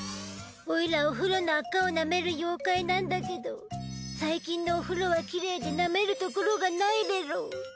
おいらお風呂のあかをなめる妖怪なんだけど最近のお風呂はきれいでなめるところがないレロ。